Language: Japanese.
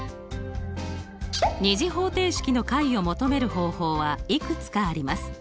２次方程式の解を求める方法はいくつかあります。